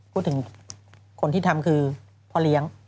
พูดถึงคนที่ทำคือพ่อเลี้ยง